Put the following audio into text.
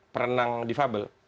perenang di fable